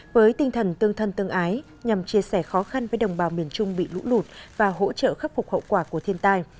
với tinh thần tương thân tương ái nhằm chia sẻ khó khăn với đồng bào miền trung bị lũ lụt và hỗ trợ khắc phục hậu quả của thiên tai